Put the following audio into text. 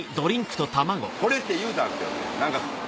「これ」って言うたんですけどね何か。